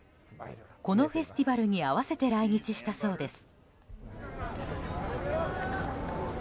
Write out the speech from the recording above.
このフェスティバルに合わせて来日したそうです。